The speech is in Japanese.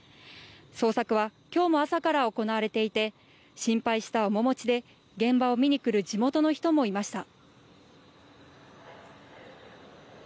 捜索は、きょうも朝から行われていて、心配した面持ちで、現場を見に来る地元の人もいました。